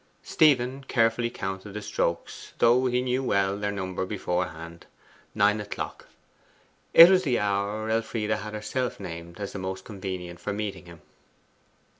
Stephen carefully counted the strokes, though he well knew their number beforehand. Nine o'clock. It was the hour Elfride had herself named as the most convenient for meeting him.